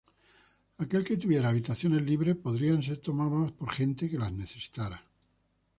Aquel que tuviera habitaciones libres, podrían ser tomadas por gente que las necesitara.